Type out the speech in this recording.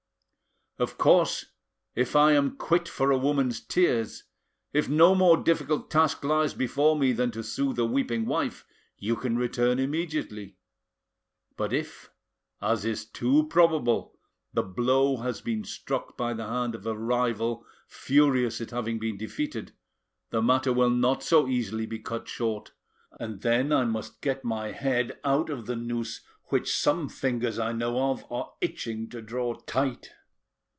Of course if I am quit for a woman's tears, if no more difficult task lies before me than to soothe a weeping wife, you can return immediately; but if, as is too probable, the blow has been struck by the hand of a rival furious at having been defeated, the matter will not so easily be cut short; the arm of the law will be invoked, and then I must get my head out of the noose which some fingers I know of are itching to draw tight."